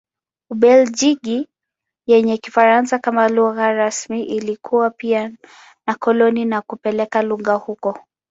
Ubelgiji yenye Kifaransa kama lugha rasmi ilikuwa pia na koloni na kupeleka lugha huko.